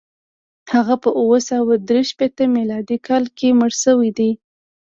هغه په اووه سوه درې شپېته میلادي کال کې مړ شوی دی.